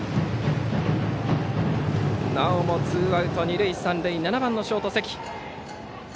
なおもツーアウト、二塁三塁で７番ショート、関。